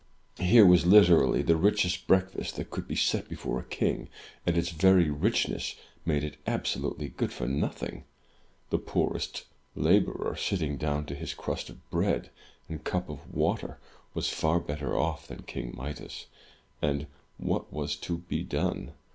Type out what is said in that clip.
Here was literally the richest breakfast that could be set before a king, and its very richness made it absolutely good for nothing. The poorest laborer, sitting down to his crust of bread and cup of water, was far better off than King Midas. And what was to be done?